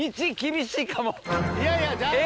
いやいや。